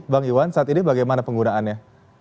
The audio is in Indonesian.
bang iwan saat ini bagaimana penggunaannya